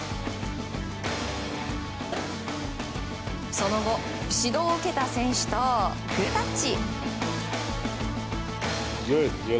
その後、指導を受けた選手とグータッチ。